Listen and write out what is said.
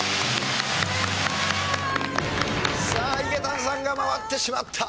さあ井桁さんが回ってしまった。